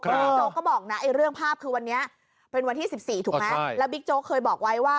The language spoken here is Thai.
บิ๊กโจ๊กก็บอกนะเรื่องภาพคือวันนี้เป็นวันที่๑๔ถูกไหมแล้วบิ๊กโจ๊กเคยบอกไว้ว่า